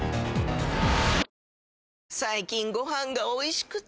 最近ご飯がおいしくて！